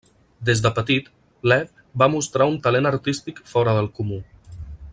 Des de petit, Lev va mostrar un talent artístic fora del comú.